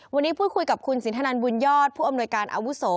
วันนี้พูดคุยกับคุณสินทนันบุญยอดผู้อำนวยการอาวุโส